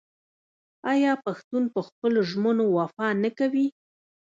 آیا پښتون په خپلو ژمنو وفا نه کوي؟